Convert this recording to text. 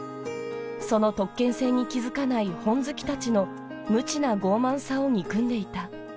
その特権性に気づかない本好きたちの無知な傲慢さを憎んでいた。